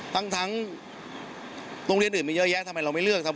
ทั้งโรงเรียนอื่นมีเยอะแยะทำไมเราไม่เลือกครับ